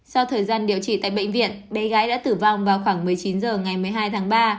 sau thời gian điều trị tại bệnh viện bé gái đã tử vong vào khoảng một mươi chín h ngày một mươi hai tháng ba